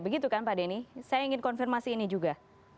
begitu kan pak denny saya ingin konfirmasi ini juga